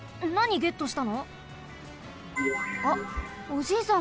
ゲットした！